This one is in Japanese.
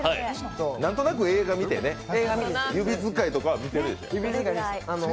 何となく映画見てね、指使いとかは見てるでしょう。